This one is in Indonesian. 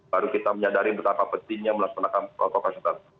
baru kita menyadari betapa pentingnya melaksanakan protokol kesehatan